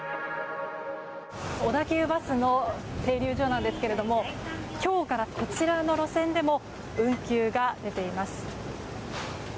小田急バスの停留所なんですけども今日からこちらの路線でも運休が出ています。